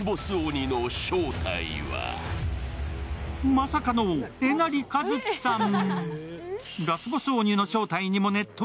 まさかの、えなりかずきさん。